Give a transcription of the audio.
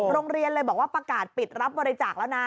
โรงเรียนเลยบอกว่าประกาศปิดรับบริจาคแล้วนะ